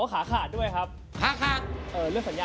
คุณฟังผมแป๊บนึงนะครับ